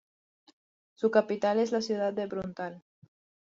Su capital es la ciudad de Bruntál.